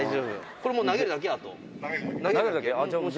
これもう、投げるだけです。